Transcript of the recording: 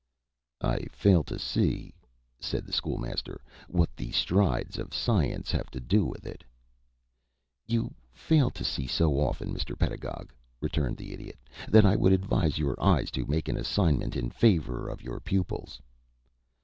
"I fail to see," said the School Master, "what the strides of science have to do with it." "You fail to see so often, Mr. Pedagog," returned the Idiot, "that I would advise your eyes to make an assignment in favor of your pupils."